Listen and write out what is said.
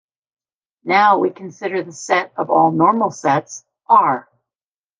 Now we consider the set of all normal sets, "R".